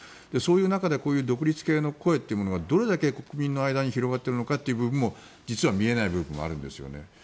そういう中でこういう独立系の声というものがどれだけ国民の間に広がっているのかというのも実は見えない部分があるんですよね。